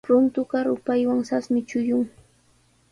Runtuqa rupaywan sasmi chullun.